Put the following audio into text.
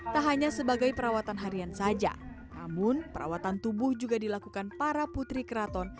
tak hanya sebagai perawatan harian saja namun perawatan tubuh juga dilakukan para putri keraton